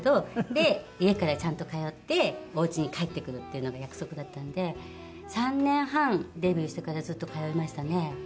で家からちゃんと通っておうちに帰ってくるっていうのが約束だったので３年半デビューしてからずっと通いましたね。